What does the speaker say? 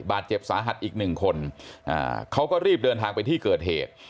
บาดเจ็บสาหัสอีกหนึ่งคนเขาก็รีบเดินทางไปที่เกิดเหตุ